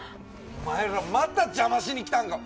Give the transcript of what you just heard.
お前ら！また邪魔しに来たんか！